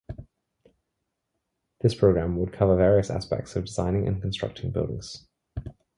This program would cover various aspects of designing and constructing buildings.